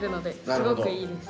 すごくいいです。